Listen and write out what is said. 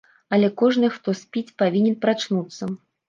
Але кожны, хто спіць, павінен прачнуцца.